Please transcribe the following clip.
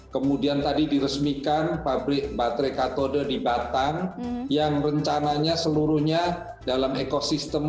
kemudian tadi diresmikan pabrik baterai katode di batang yang rencananya seluruhnya dalam ekosistem